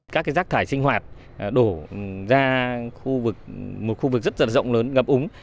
các rác thải sinh hoạt đổ ra một khu vực rất rộng lớn ngập úng